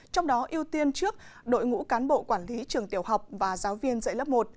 trong đó ưu tiên trước đội ngũ cán bộ quản lý trường tiểu học và giáo viên dạy lớp một